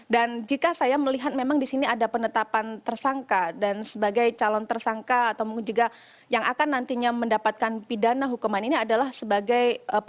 dan jika saya melihat memang di sini ada penetapan tersangka dan sebagai calon tersangka atau yang akan nantinya mendapatkan pidana hukuman ini adalah sebagai penetapan tersangka